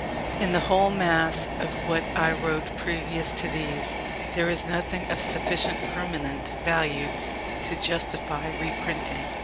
In the whole mass of what I wrote previous to these, there is nothing of sufficient permanent value to justify reprinting.